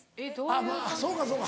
あっまぁそうかそうか。